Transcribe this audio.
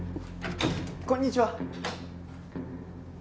こんにちは。